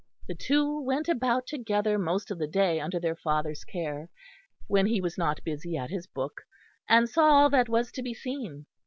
The two went about together most of the day under their father's care, when he was not busy at his book, and saw all that was to be seen.